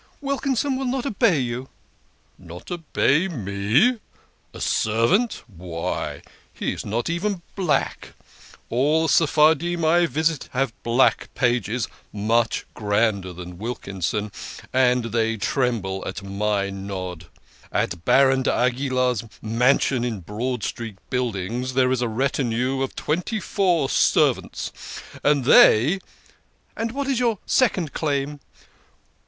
" Wilkinson will not obey you." " Not obey me .' A servant ! Why he is not even black ! All the Sephardim I visit have black pages much grander than Wilkinson and they tremble at my nod. At Baron D'Aguilar's mansion in Broad Street Buildings there is a retinue of twenty four servants, and they "" And what is your second claim